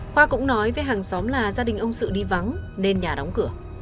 khoa cũng nói với hàng xóm là gia đình ông sự đi vắng nên nhà đóng cửa